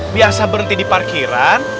biasa berhenti di parkiran